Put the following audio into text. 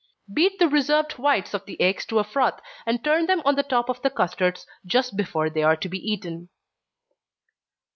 Beat the reserved whites of the eggs to a froth, and turn them on the top of the custards just before they are to be eaten.